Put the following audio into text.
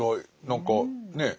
何かねえ